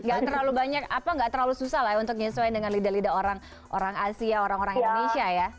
enggak terlalu banyak apa enggak terlalu susah lah untuk menyesuaikan dengan lidah lidah orang asia orang orang indonesia ya